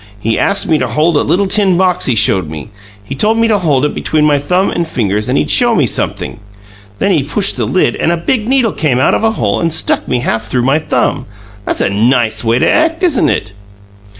"He ast me to hold a little tin box he showed me. He told me to hold it between my thumb and fingers and he'd show me sumpthing. Then he pushed the lid, and a big needle came out of a hole and stuck me half through my thumb. That's a NICE way to act, isn't it?"